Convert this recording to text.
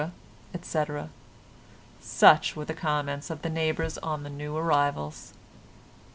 etc. Such were the comments of the neighbours on the new arrivals.